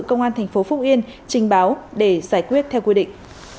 công an thành phố phúc yên trình báo để giải quyết theo quy định